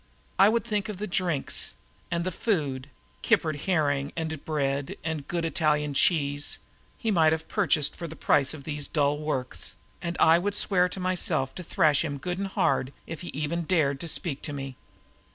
I would think of the drinks and the food kippered herring and bread and good Italian cheese he might have purchased for the price of these dull works; and I would swear to myself to thrash him good and hard if he even dared to speak to me.